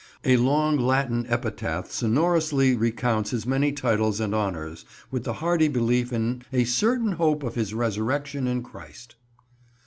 A long Latin epitaph sonorously recounts his many titles and honours, with the hardy belief in "a certain hope of his resurrection in Christ."